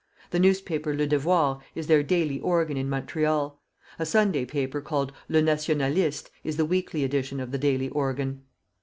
The newspaper "Le Devoir" is their daily organ in Montreal. A Sunday paper called "Le Nationaliste" is the weekly edition of the daily organ.